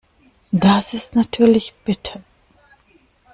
Das ist natürlich bitter.